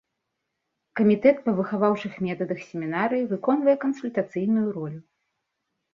Камітэт па выхаваўчых метадах семінарыі выконвае кансультацыйную ролю.